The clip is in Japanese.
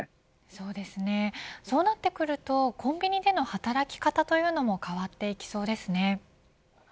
そうなってくるとコンビニでの働き方というのも変わっていきそうですね。